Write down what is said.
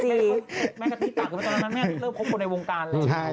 แม่กับพี่ตั๋าคือว่าตอนนั้นแม่เริ่มคบคนในวงการเลย